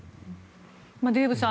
デーブさん